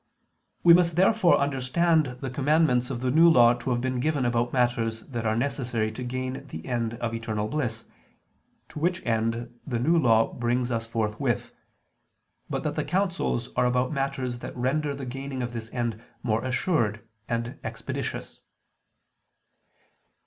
We must therefore understand the commandments of the New Law to have been given about matters that are necessary to gain the end of eternal bliss, to which end the New Law brings us forthwith: but that the counsels are about matters that render the gaining of this end more assured and expeditious.